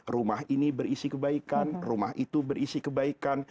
rumah ini berisi kebaikan rumah itu berisi kebaikan